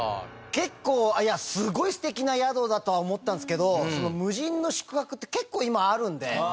結構いやすごい素敵な宿だとは思ったんですけど無人の宿泊って結構今あるんで。